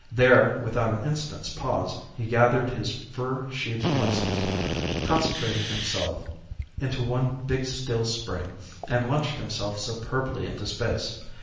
There, without an instant's pause, he gathered his fur sheathed muscles, concentrated himself into one big steel spring, and launched himself superbly into space.